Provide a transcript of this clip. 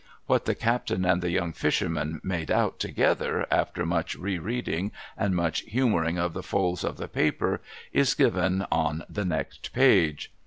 What the captain and the young fisherman made out together, after much re reading and much humouring of the folds of the paper, is given on the next page.